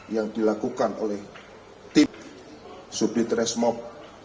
yang dilakukan oleh tim subdit resmob